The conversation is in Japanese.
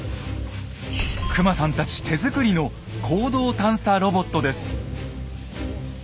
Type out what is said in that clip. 久間さんたち手作りの坑道探査ロボットです。